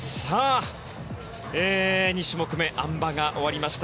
２種目めのあん馬が終わりました。